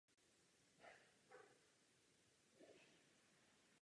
V tomto smyslu je známe i my dnes.